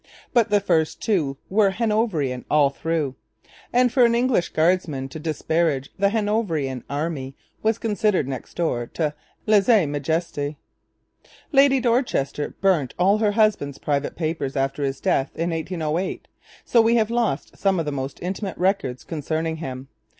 But the first two were Hanoverian all through. And for an English guardsman to disparage the Hanoverian army was considered next door to lese majeste. Lady Dorchester burnt all her husband's private papers after his death in 1808; so we have lost some of the most intimate records concerning him.